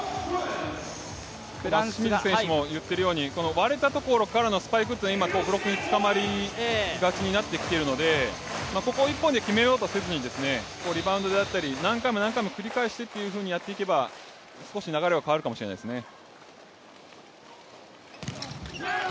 割れたところからのスパイクというのが今、ブロックにつかまりがちになってきているのでここを一本で決めようとせずにリバウンドであったり、何回も繰り返してというふうにやっていけば少し流れは変わるかもしれないですね。